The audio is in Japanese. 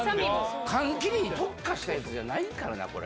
缶切りに特化したやつじゃないからな、これ。